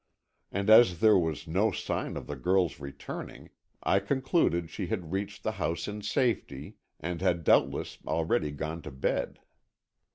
And as there was no sign of the girl's returning, I concluded she had reached the house in safety and had doubtless already gone to bed.